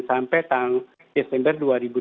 sampai tahun desember dua ribu dua puluh satu